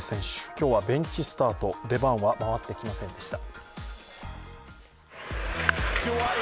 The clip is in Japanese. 今日はベンチスタート、出番は回ってきませんでした。